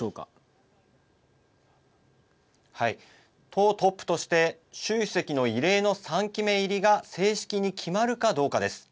党トップとして習主席の異例の３期目入りが正式に決まるかどうかです。